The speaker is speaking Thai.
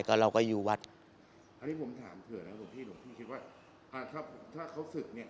ก็เราก็อยู่วัดอันนี้ผมถามเผื่อนะครับผมที่ผมที่คิดว่าอ่าถ้าผมถ้าเขาศึกเนี้ย